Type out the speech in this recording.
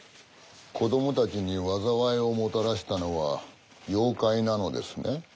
子どもたちに災いをもたらしたのは妖怪なのですね？